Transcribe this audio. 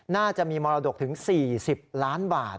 น่าจะมีมรดกถึง๔๐ล้านบาท